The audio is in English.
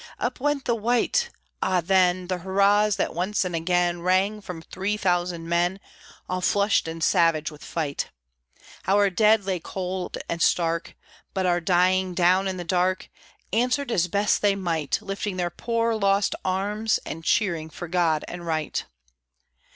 Up went the White! Ah, then The hurrahs that once and again Rang from three thousand men All flushed and savage with fight! Our dead lay cold and stark; But our dying, down in the dark, Answered as best they might, Lifting their poor lost arms, And cheering for God and Right!